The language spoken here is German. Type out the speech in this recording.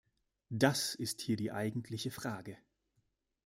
Das ist hier die eigentliche Frage.